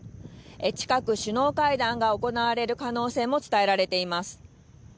近く、首脳会談が行われる可能性も伝えられています。